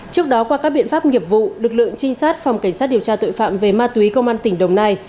trước đó qua các biện pháp nghiệp vụ lực lượng trinh sát phòng cảnh sát điều tra tội phạm về ma túy công an tỉnh đồng nai